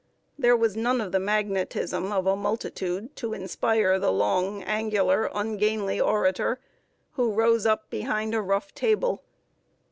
There was none of the magnetism of a multitude to inspire the long, angular, ungainly orator, who rose up behind a rough table.